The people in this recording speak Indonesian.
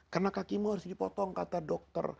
karena kakimu harus dipotong kata dokter